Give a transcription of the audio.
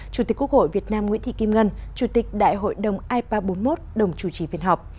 chủ tịch quốc hội việt nam nguyễn thị kim ngân chủ tịch đại hội đồng ipa bốn mươi một đồng chủ trì phiên họp